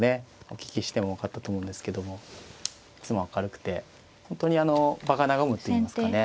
お聞きしても分かったと思うんですけどもいつも明るくて本当にあの場が和むといいますかね。